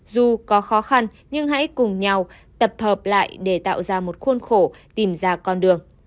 dù có khó khăn nhưng hãy cùng nhau tập hợp lại để tạo ra một khuôn khổ tìm ra con đường